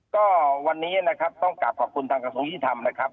ก็วันนี้นะครับต้องกลับขอบคุณทางกระทรวงยุติธรรมนะครับ